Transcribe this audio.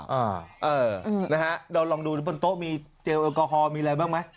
เออนะฮะเราลองดูบนโต๊ะมีเจลแอลกอฮอลมีอะไรบ้างไหม